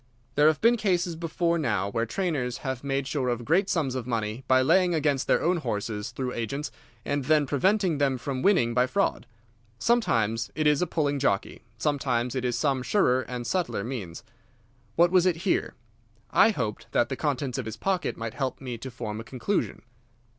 There have been cases before now where trainers have made sure of great sums of money by laying against their own horses, through agents, and then preventing them from winning by fraud. Sometimes it is a pulling jockey. Sometimes it is some surer and subtler means. What was it here? I hoped that the contents of his pockets might help me to form a conclusion.